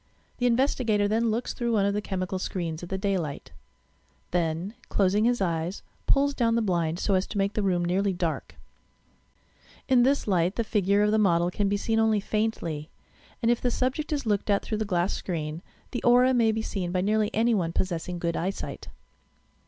The investigator then iDicyanin ib & coal tar product or dye. d THE HITMAN AURA 91 looks through one of the chemical screens at the day light: then, closing his eyes, pulls down the blind, so as to make the room nearly dark. In this light the figure of the model can be seen only faintly, and if the subject is looked at through the glass screen, the aura may be seen by nearly any one, possessing good eyesight.